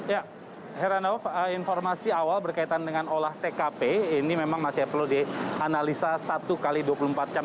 ya heranov informasi awal berkaitan dengan olah tkp ini memang masih perlu dianalisa satu x dua puluh empat jam